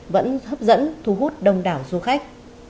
vẫn hấp dẫn thu hút đông đảo du khách